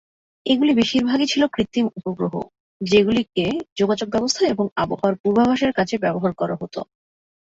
এগুলি বেশিরভাগই ছিল কৃত্রিম উপগ্রহ, যেগুলিকে যোগাযোগ ব্যবস্থা এবং আবহাওয়ার পূর্বাভাসের কাজে ব্যবহার করা হত।